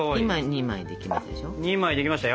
２枚できましたよ。